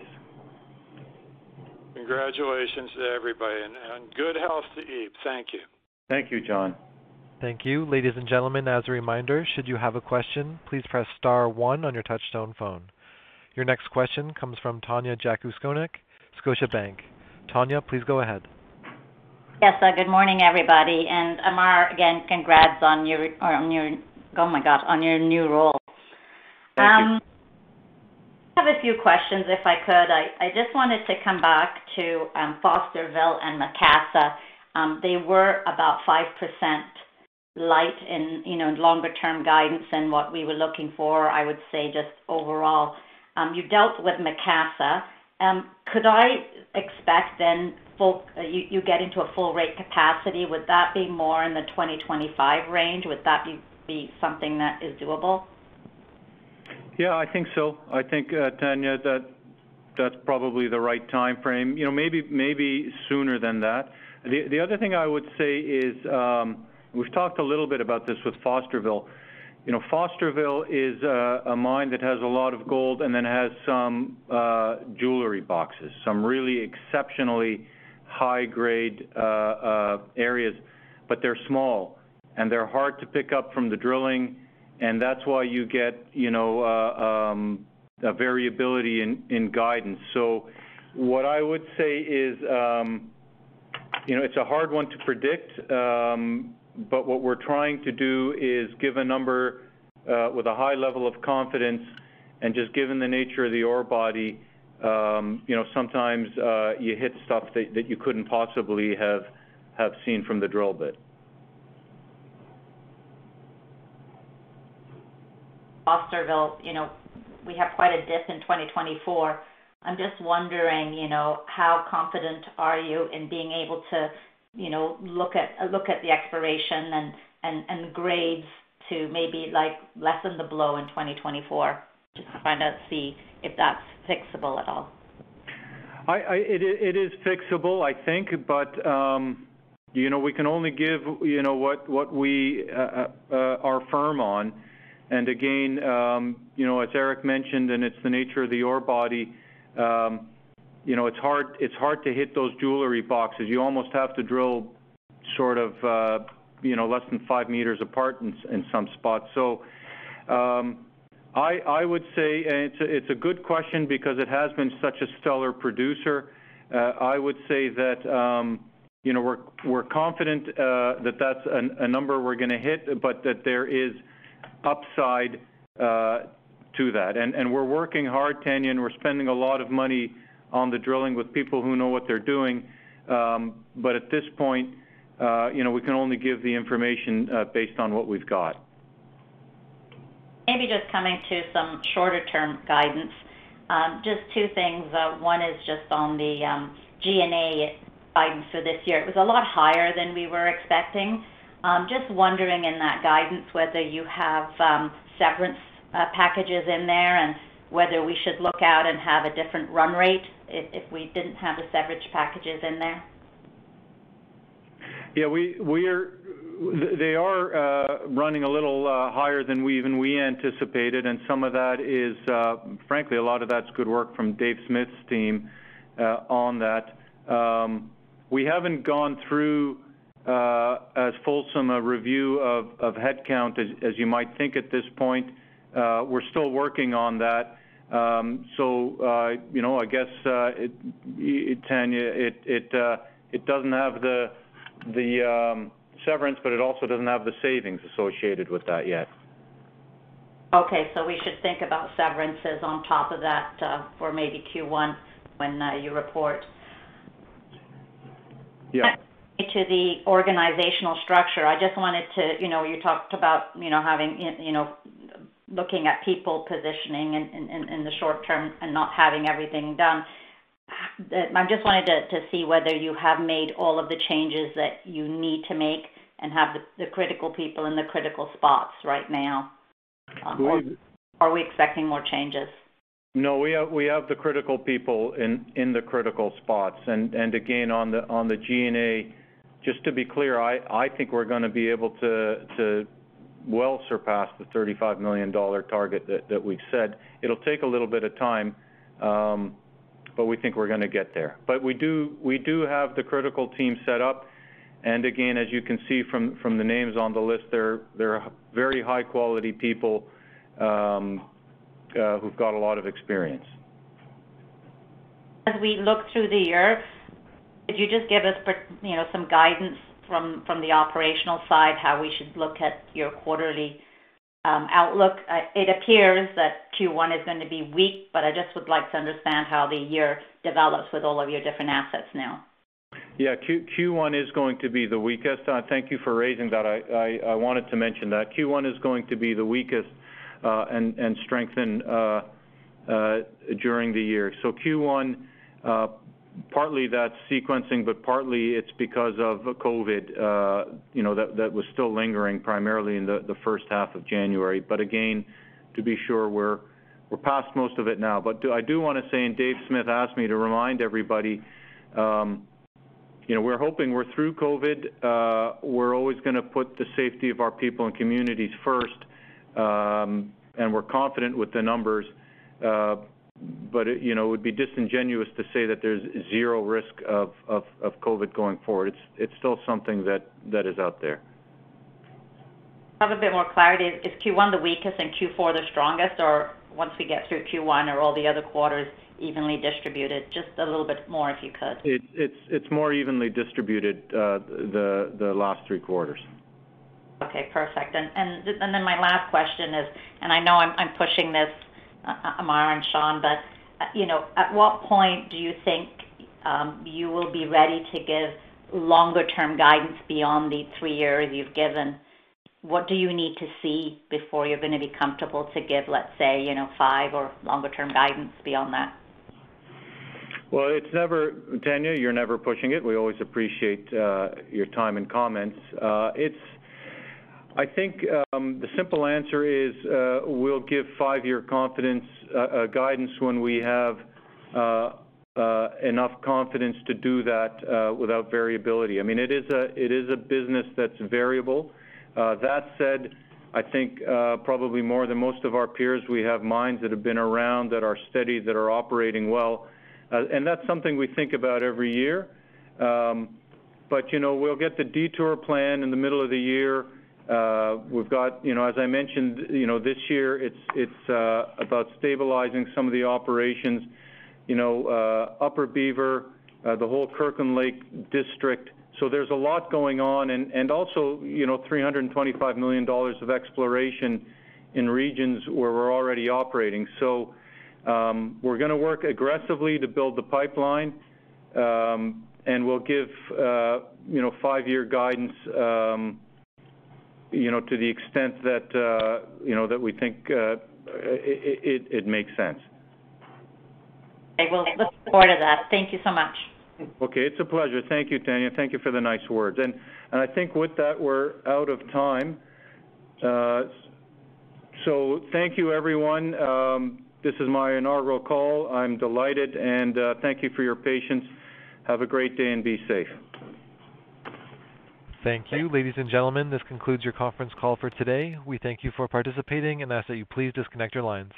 Congratulations to everybody, and good health to Yves. Thank you. Thank you, John. Thank you. Ladies and gentlemen, as a reminder, should you have a question, please press star one on your touch tone phone. Your next question comes from Tanya Jakusconek, Scotiabank. Tanya, please go ahead. Yes. Good morning, everybody. Ammar, again, congrats on your new role. Thank you. I have a few questions, if I could. I just wanted to come back to Fosterville and Macassa. They were about 5% light in, you know, longer term guidance than what we were looking for, I would say, just overall. You dealt with Macassa. Could I expect then full rate capacity? You get into a full rate capacity, would that be more in the 2025 range? Would that be something that is doable? Yeah, I think so. I think, Tanya, that that's probably the right timeframe. You know, maybe sooner than that. The other thing I would say is, we've talked a little bit about this with Fosterville. You know, Fosterville is a mine that has a lot of gold and then has some jewelry boxes, some really exceptionally high grade areas, but they're small, and they're hard to pick up from the drilling, and that's why you get, you know, a variability in guidance. What I would say is, you know, it's a hard one to predict, but what we're trying to do is give a number with a high level of confidence, and just given the nature of the ore body, you know, sometimes you hit stuff that you couldn't possibly have seen from the drill bit. Fosterville, you know, we have quite a dip in 2024. I'm just wondering, you know, how confident are you in being able to, you know, look at the exploration and grades to maybe, like, lessen the blow in 2024, just to find out, see if that's fixable at all. It is fixable, I think. You know, we can only give you know what we are firm on. Again you know, as Eric mentioned, and it's the nature of the ore body you know, it's hard to hit those jewelry boxes. You almost have to drill sort of you know less than 5 meters apart in some spots. I would say it's a good question because it has been such a stellar producer. I would say that you know we're confident that that's a number we're gonna hit, but that there is upside to that. We're working hard, Tanya, and we're spending a lot of money on the drilling with people who know what they're doing. At this point, you know, we can only give the information based on what we've got. Maybe just coming to some shorter term guidance, just two things. One is just on the G&A guidance for this year. It was a lot higher than we were expecting. Just wondering in that guidance whether you have severance packages in there and whether we should look out and have a different run rate if we didn't have the severance packages in there. Yeah, we are. They are running a little higher than we even anticipated, and some of that is, frankly, a lot of that's good work from Dave Smith's team on that. We haven't gone through as fulsome a review of headcount as you might think at this point. We're still working on that. You know, I guess, it, Tanya, it doesn't have the severance, but it also doesn't have the savings associated with that yet. Okay, we should think about severances on top of that, for maybe Q1 when you report. Yeah. To the organizational structure, I just wanted to, you know, you talked about, you know, having in, you know, looking at people positioning in the short term and not having everything done. I just wanted to see whether you have made all of the changes that you need to make and have the critical people in the critical spots right now. We- Are we expecting more changes? No, we have the critical people in the critical spots. Again, on the G&A, just to be clear, I think we're gonna be able to well surpass the $35 million target that we've said. It'll take a little bit of time, but we think we're gonna get there. We do have the critical team set up. Again, as you can see from the names on the list, they're very high quality people who've got a lot of experience. As we look through the year, could you just give us you know, some guidance from the operational side, how we should look at your quarterly outlook? It appears that Q1 is gonna be weak, but I just would like to understand how the year develops with all of your different assets now. Yeah. Q1 is going to be the weakest. Thank you for raising that. I wanted to mention that Q1 is going to be the weakest, and strengthen during the year. Q1, partly that's sequencing, but partly it's because of the COVID, you know, that was still lingering primarily in the first half of January. Again, to be sure, we're past most of it now. I do wanna say, and Dave Smith asked me to remind everybody, you know, we're hoping we're through COVID. We're always gonna put the safety of our people and communities first, and we're confident with the numbers. You know, it would be disingenuous to say that there's zero risk of COVID going forward. It's still something that is out there. Have a bit more clarity. Is Q1 the weakest and Q4 the strongest? Or once we get through Q1, are all the other quarters evenly distributed? Just a little bit more, if you could. It's more evenly distributed, the last three quarters. Okay, perfect. My last question is, I know I'm pushing this, Ammar and Sean, but you know, at what point do you think you will be ready to give longer term guidance beyond the three years you've given? What do you need to see before you're gonna be comfortable to give, let's say, you know, five or longer term guidance beyond that? Well, it's never, Tanya, you're never pushing it. We always appreciate your time and comments. It's, I think, the simple answer is we'll give five-year confidence guidance when we have enough confidence to do that without variability. I mean, it is a business that's variable. That said, I think probably more than most of our peers, we have mines that have been around, that are steady, that are operating well. That's something we think about every year. You know, we'll get the detailed plan in the middle of the year. We've got, you know, as I mentioned, you know, this year it's about stabilizing some of the operations, you know, Upper Beaver, the whole Kirkland Lake district. There's a lot going on and also, you know, $325 million of exploration in regions where we're already operating. We're gonna work aggressively to build the pipeline and we'll give, you know, five-year guidance, you know, to the extent that, you know, that we think it makes sense. I will look forward to that. Thank you so much. Okay. It's a pleasure. Thank you, Tanya. Thank you for the nice words. I think with that, we're out of time. Thank you, everyone. This is my inaugural call. I'm delighted, and thank you for your patience. Have a great day and be safe. Thank you. Ladies and gentlemen, this concludes your conference call for today. We thank you for participating and ask that you please disconnect your lines.